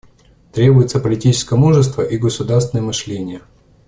Требуется политическое мужество и государственное мышление.